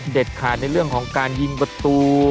เด็ดขาดในเรื่องของการยิงบัตรู